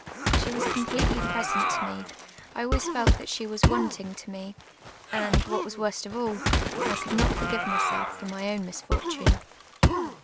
She was completely present to me ; I always felt that she was wanting to me ; and, what was worst of all, I could not forgive myself for ray own misfortune.